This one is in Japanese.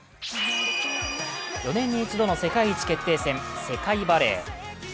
４年に一度の世界一決定戦世界バレー。